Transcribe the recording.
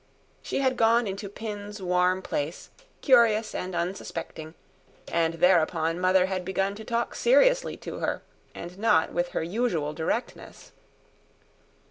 She had gone into Pin's warm place, curious and unsuspecting, and thereupon Mother had begun to talk seriously to her, and not with her usual directness.